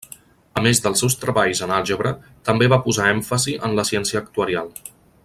A més dels seus treballs en àlgebra, també va posar èmfasi en la ciència actuarial.